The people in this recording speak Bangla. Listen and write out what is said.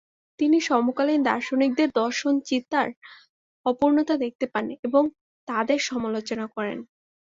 তিনি সমকালীন দার্শনিকদের দর্শন-চিন্তার অপূর্ণতা দেখতে পান এবং তাদের সমালোচনা করেন।